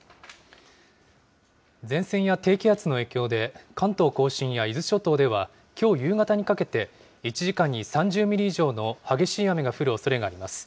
前線や低気圧の影響で、関東甲信や伊豆諸島では、きょう夕方にかけて、１時間に３０ミリ以上の激しい雨が降るおそれがあります。